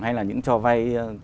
hay là những cho vai